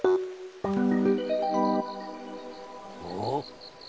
おっ？